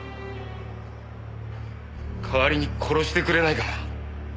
代わりに殺してくれないかな。